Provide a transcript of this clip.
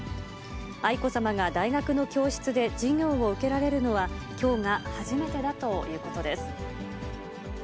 愛子さまが大学の教室で授業を受けられるのは、きょうが初めてだということです。